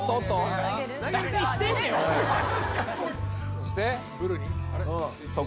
そして。